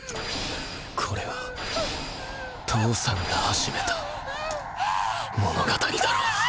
これは父さんが始めた物語だろ。